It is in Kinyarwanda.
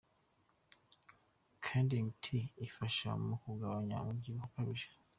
Kuding Tea ifasha mu kugabanya umubyibuho ukabije.